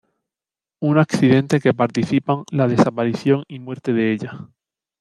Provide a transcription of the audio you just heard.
Un accidente que participan la desaparición y muerte de ella.